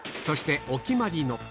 そしてお決まりの！